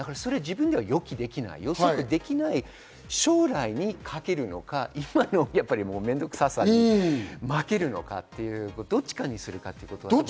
自分では予期できない、予測できない将来に賭けるのか、今の面倒くささに負けるのか、どっちかにするかってことですね。